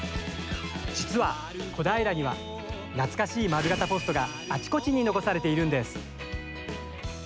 実は、小平には懐かしい丸型ポストがあちこちに残されているんです。